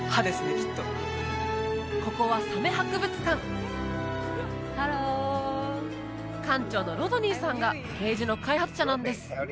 きっとここはサメ博物館館長のロドニーさんがケージの開発者なんです